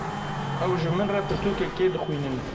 Ew ji min re pirtûkekê dixwînin.